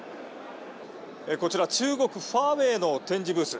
こちら中国ファーウェイの展示ブース。